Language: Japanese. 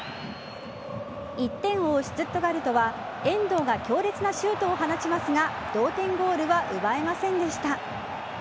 １点を追うシュツットガルトは遠藤が強烈なシュートを放ちますが同点ゴールは奪えませんでした。